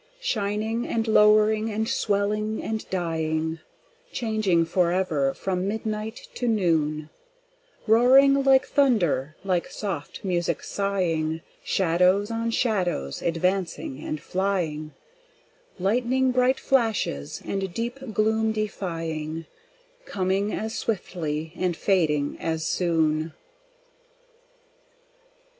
Shining and lowering and swelling and dying, Changing forever from midnight to noon; Roaring like thunder, like soft music sighing, Shadows on shadows advancing and flying, Lighning bright flashes the deep gloom defying, Coming as swiftly and fading as soon.